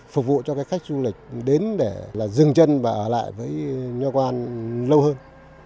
phục vụ cho cái khách du lịch đến để là dừng chân và ở lại với nho quan lâu hơn